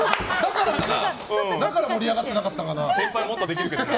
だから盛り上がってなかったのか。